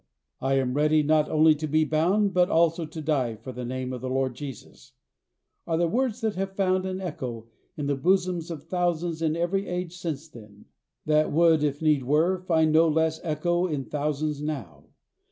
"I am ready not only to be bound, but also to die for the name of the Lord Jesus," are words that have found an echo in the bosoms of thousands in every age since then; that would, if need were, find no less echo in thousands now.